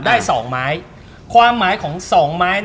ได้๒ไม้ความหมายของ๒ไม้